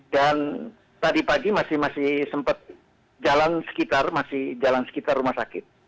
dan tadi pagi masih masih sempat jalan sekitar masih jalan sekitar rumah sakit